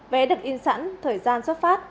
vé được in sẵn thời gian xuất phát